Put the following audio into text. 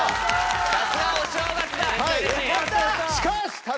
さすがお正月だ！